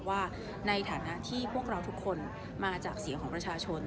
ว่าในฐานะที่พวกเราทุกคนมาจากเสียงของประชาชน